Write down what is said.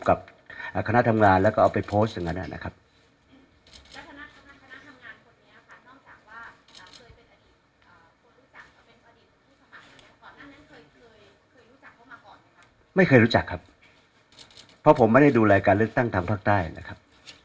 กับคณะทำงานแล้วก็เอาไปโพสต์กันนะครับไม่เคยรู้จักครับเพราะผมมาได้ดูรายการเลือกตั้งทำภาคใต้นะครับ